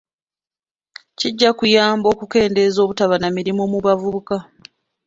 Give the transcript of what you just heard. Kijja kuyamba okukendeeza obutaba na mirimu mu bavubuka .